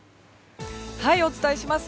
お伝えします。